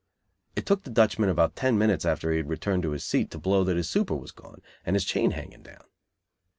It took the Dutchman about ten minutes after he had returned to his seat to blow that his super was gone, and his chain hanging down.